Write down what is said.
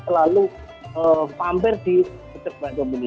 selalu pampir di budeg batum ini